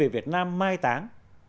việt nam mai tán